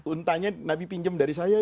untanya nabi pinjam dari saya